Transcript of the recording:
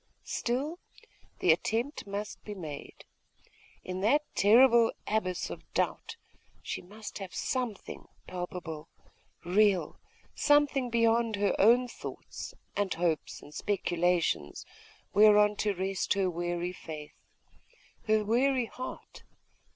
Still, the attempt must be made. In that terrible abyss of doubt, she must have something palpable, real; something beyond her own thoughts, and hopes, and speculations, whereon to rest her weary faith, her weary heart....